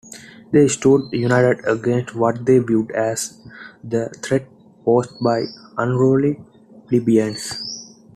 They stood united against what they viewed as the threat posed by unruly plebeians.